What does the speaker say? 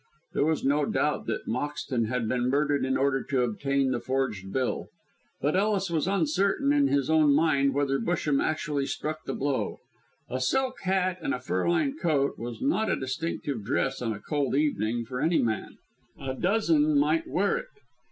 There was no doubt that Moxton had been murdered in order to obtain the forged bill; but Ellis was uncertain in his own mind whether Busham had actually struck the blow. A silk hat and a fur lined coat was not a distinctive dress on a cold evening for any man a dozen might wear it.